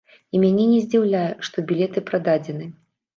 І мяне не здзіўляе, што білеты прададзены.